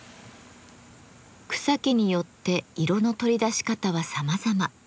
草木によって色の取り出し方はさまざま。